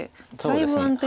はい。